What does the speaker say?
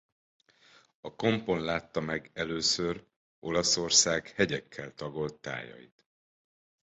A kompon látta meg először Olaszország hegyekkel tagolt tájait.